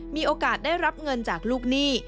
มีโอกาสได้รับเงินจากลูกหนี้